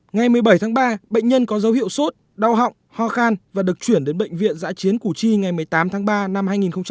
ngày một mươi bảy tháng ba bệnh nhân có dấu hiệu sốt đau họng ho khan và được chuyển đến bệnh viện giã chiến củ chi ngày một mươi tám tháng ba năm hai nghìn hai mươi